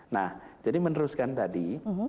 nah jadi meneruskan tadi